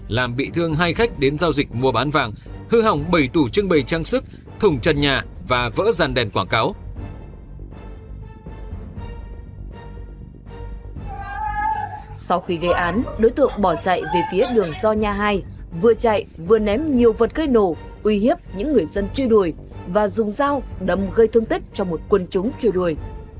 sau khi gây án đối tượng bỏ chạy về phía đường do nhà hai vừa chạy vừa ném nhiều vật cây nổ uy hiếp những người dân truy đuổi và dùng dao đâm gây thương tích cho một quân chúng truy đuổi